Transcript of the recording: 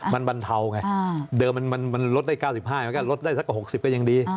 มันบรรเทาไงเดิมมันลดได้๙๕มันก็ลดได้สักกว่า๖๐ก็ยังดี